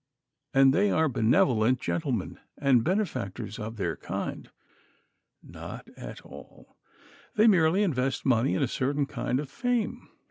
And they are benevolent gentlemen and benefactors of their kind? Not at all. They merely invest money in a certain kind of fame.